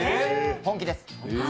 本気です。